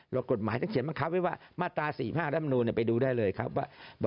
แล้วกฎหมายต้องเขียนบังคับไว้ว่ามาตรา๔๕รัฐมนูนไปดูได้เลยครับว่า